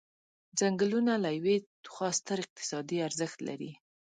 څنګلونه له یوې خوا ستر اقتصادي ارزښت لري.